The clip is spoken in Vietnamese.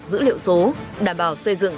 dữ liệu số đảm bảo xây dựng